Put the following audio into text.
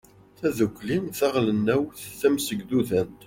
tadukli taɣelnawt tamsegdudant